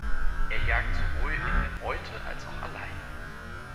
Er jagt sowohl in der Meute als auch alleine.